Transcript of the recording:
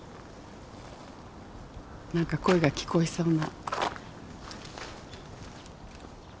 何か声が聞こえそうな。